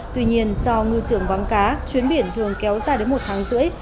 tuy nhiên do ngư trường vắng cá chuyến biển thường kéo dài đến một tháng rưỡi